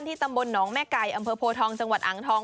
ตำบลหนองแม่ไก่อำเภอโพทองจังหวัดอ่างทอง